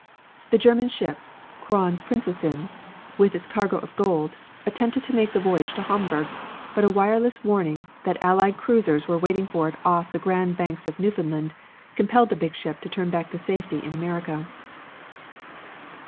The German ship Kron Prinzessin with a cargo of gold, attempted to make the voyage to Hamburg, but a wireless warning that Allied cruisers were waiting for it off the Grand Banks of Newfoundland, compelled the big ship to turn back to safety in America.